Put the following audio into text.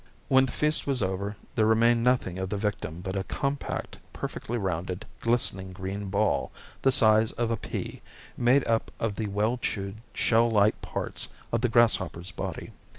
When the feast was over there remained nothing of the victim but a compact, perfectly rounded, glistening green ball, the size of a pea, made up of the well chewed shell like parts of the grasshopper's body.